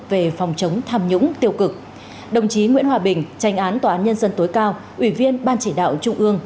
về phòng chống tham nhũng tiêu cực đồng chí nguyễn hòa bình tranh án tòa án nhân dân tối cao ủy viên ban chỉ đạo trung ương